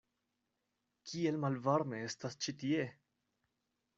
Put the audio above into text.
Kiel malvarme estas ĉi tie!